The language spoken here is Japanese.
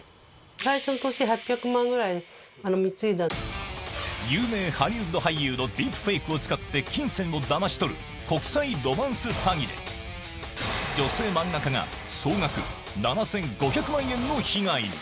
最初の年、有名ハリウッド俳優のディープフェイクを使って金銭をだまし取る、国際ロマンス詐欺で、女性漫画家が、総額７５００万円の被害に。